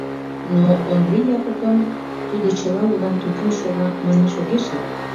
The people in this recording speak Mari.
Но Ондри Япыкым «тудо чыла улан тупуй шога» манаш огеш лий.